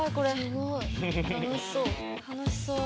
楽しそう。